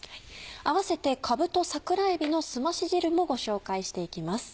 併せて「かぶと桜えびのすまし汁」もご紹介していきます。